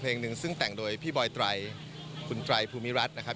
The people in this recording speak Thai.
เพลงหนึ่งซึ่งแต่งโดยพี่บอยตรายคุณตรายภูมิรัชนะครับ